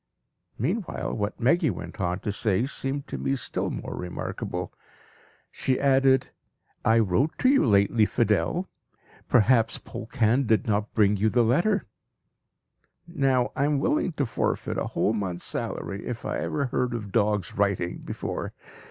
Meanwhile what Meggy went on to say seemed to me still more remarkable. She added, "I wrote to you lately, Fidel; perhaps Polkan did not bring you the letter." Now I am willing to forfeit a whole month's salary if I ever heard of dogs writing before.